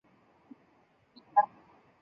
治今额济纳旗西南。